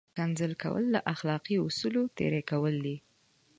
کنځل کول له اخلاقي اصولو تېری کول دي!